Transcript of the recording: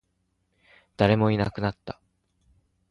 誰もいなくなった